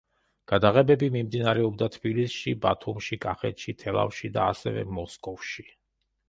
გადაღებები მიმდინარეობდა თბილისში, ბათუმში კახეთში თელავში, და ასევე მოსკოვში.